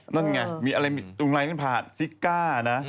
นั่นไงมีอะไรมีตรงลายนั้นผ่านซิกก้านะ